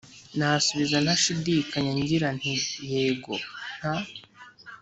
nasubiza ntashidikanya ngira nti yego! nta